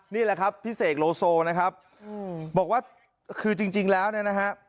นี่แหละครับพี่เสกโลโซนะครับบอกว่าคือจริงแล้วเนี่ยนะฮะ